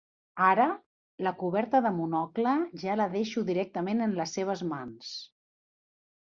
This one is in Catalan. Ara, la coberta de Monocle ja la deixo directament en les seves mans.